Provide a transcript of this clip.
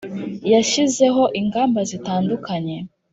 yashyizeho ingamba zitandukanye